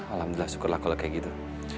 alhamdulillah syukurlah kalau kayak gitu